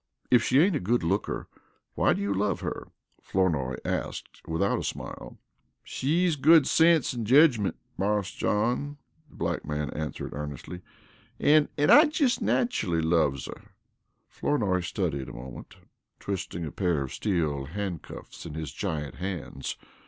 "If she ain't a good looker, why do you love her?" Flournoy asked without a smile. "She's good sense an' jedgment, Marse John," the black man answered earnestly. "An' an' I jes' nachelly loves her." Flournoy studied a moment, twisting a pair of steel handcuffs in his giant hands.